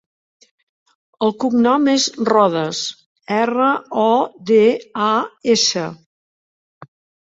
El cognom és Rodas: erra, o, de, a, essa.